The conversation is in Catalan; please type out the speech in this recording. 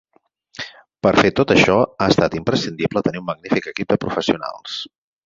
Per fer tot això ha estat imprescindible tenir un magnífic equip de professionals.